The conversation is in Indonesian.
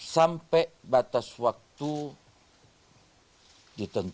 sehingga kemungkinan untuk menghormati dan rasa bela sungkawa terhadap haringga